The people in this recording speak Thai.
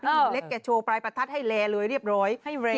พี่หนูเล็กแกะโชว์ปลายประทัศน์ให้แรร์เลยเรียบร้อยให้แรร์เลย